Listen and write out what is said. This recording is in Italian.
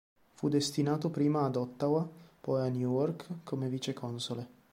Fu destinato prima ad Ottawa, poi a Newark, come vice console.